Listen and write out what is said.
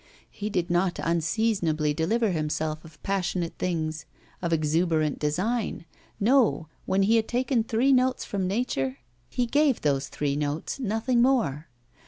He did not unseasonably deliver himself of passionate things of exuberant design; no, when he had taken three notes from nature, he gave those three notes, nothing more.